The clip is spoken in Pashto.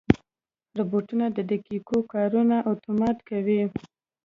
روبوټونه د دقیقو کارونو اتومات کوي.